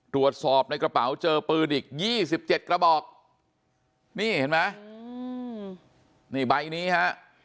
ตรวจสอบในกระเป๋าเจอปืนอีก๒๗กระบอกนี่เห็นไหมนี่ใบนี้ฮะ